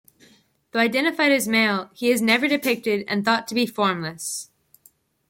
Though identified as male, he is never depicted, and thought to be formless.